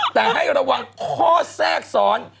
แต่ให้ระวังข้อแทรกซ้อน